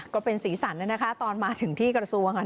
ก็เป็นศีรษรนะนะคะตอนมาถึงที่กระทรวง